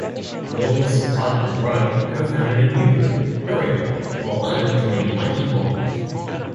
Mills, Putt and Rudd co-founded a new group, Ariel; while Arnott joined Mighty Kong.